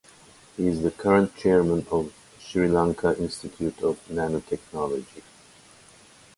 He is the current chairman of Sri Lanka Institute of Nanotechnology.